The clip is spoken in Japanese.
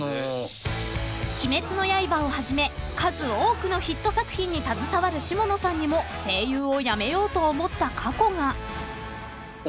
［『鬼滅の刃』をはじめ数多くのヒット作品に携わる下野さんにも声優を辞めようと思った過去が］